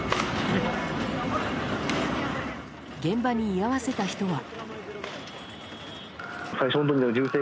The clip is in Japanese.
現場に居合わせた人は。